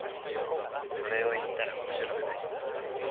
それを言ったら面白くない。